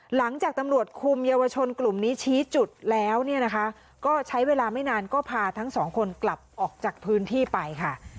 หลังจากตำรวจคุมเยาวชนกลุ่มนี้ชี้จุดแล้วเนี่ยนะคะก็ใช้เวลาไม่นานก็พาทั้งสองคนกลับออกจากพื้นที่ไปค่ะ